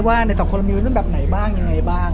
ว่าในสำคัญหรือทำยังไงบ้าง